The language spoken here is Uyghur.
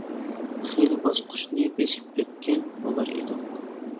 خېلى باسقۇچنى بېسىپ ئۆتكەن بولار ئىدۇق.